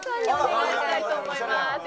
よろしくお願いします。